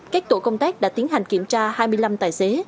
các tổ công tác đã tiến hành kiểm tra hai mươi năm tài xế